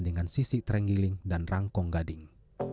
dengan sisik terenggiling dan rangkong gading